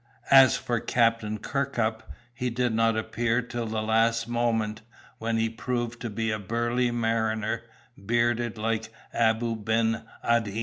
As for Captain Kirkup, he did not appear till the last moment, when he proved to be a burly mariner, bearded like Abou Ben Adhem.